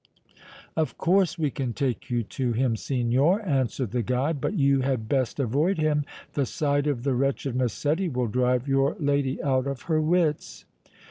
"Of course, we can take you to him, signor," answered the guide; "but you had best avoid him; the sight of the wretched Massetti will drive your lady out of her wits!"